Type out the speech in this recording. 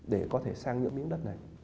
để có thể sang những miếng đất này